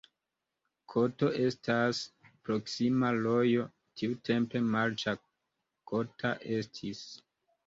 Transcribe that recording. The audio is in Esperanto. Koto estas proksima rojo, tiutempe marĉa, kota estis.